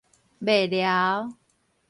麥寮